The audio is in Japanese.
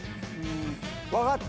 分かった。